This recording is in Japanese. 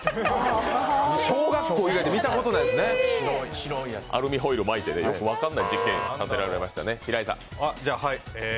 小学校以外で見たことないですね、アルミホイル巻いて、よく分からない実験させられましたね。